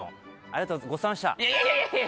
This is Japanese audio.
いやいやいやいや。